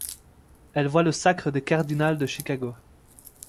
Elle voit le sacre des Cardinals de Chicago.